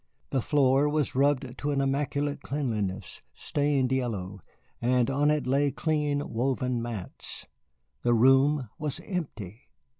The floor was rubbed to an immaculate cleanliness, stained yellow, and on it lay clean woven mats. The room was empty!